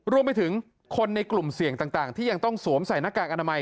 รวมไปถึงคนในกลุ่มเสี่ยงต่างที่ยังต้องสวมใส่หน้ากากอนามัย